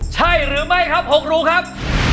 ใช่หรือไม่ครับ๖รูครับ